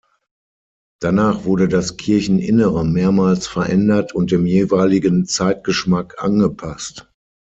Danach wurde das Kircheninnere mehrmals verändert und dem jeweiligen Zeitgeschmack angepasst.